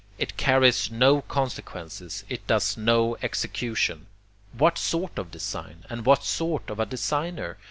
It carries no consequences, it does no execution. What sort of design? and what sort of a designer?